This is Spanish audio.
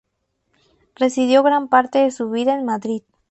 Residió gran parte de su vida en Madrid.